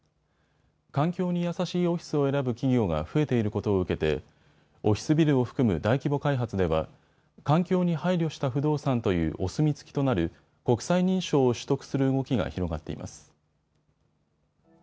環境に優しいオフィスを選ぶ企業が増えていることを受けてオフィスビルを含む大規模開発では環境に配慮した不動産というお墨付きとなる国際認証を取得する動きが広がっています。